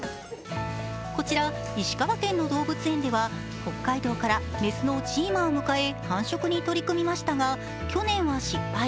こちら石川県の動物園では北海道から雌のジーマを迎え繁殖に取り組みましたが、去年は失敗。